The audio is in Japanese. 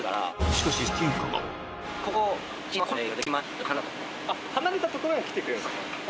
しかし離れた所には来てくれる？